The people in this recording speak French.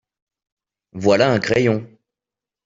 Voilà un crayon.